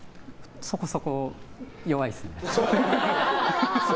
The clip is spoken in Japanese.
そこそこ弱いですね。